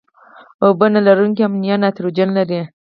اوبه نه لرونکي امونیا نایتروجن لري.